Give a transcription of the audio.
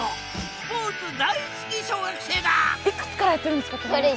スポーツ大好き小学生だ